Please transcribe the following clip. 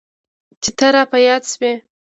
چي ته را په ياد سوې.